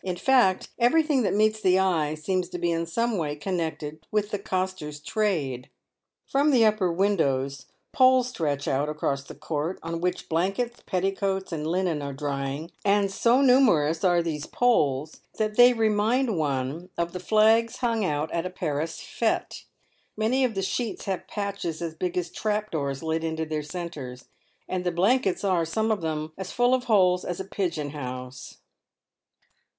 In fact, everything that meets the eye seems to be in some way connected with the coster's trade. From the upper windows poles stretch out across the court, on which blankets, petticoats, and linen are drying; and so numerous 94i PAYED WITH GOLD. are these poles that they remind one of the flags hung out at a Paris fete. Many of the sheets have patches as big as trap doors let into their centres, and the blankets are — some of them — as full of holes as a pigeon house.